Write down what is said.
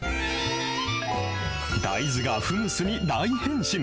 大豆がフムスに大変身。